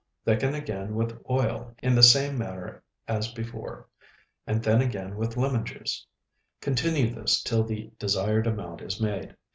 Thicken again with oil in the same manner as before, and thin again with lemon juice. Continue this till the desired amount is made.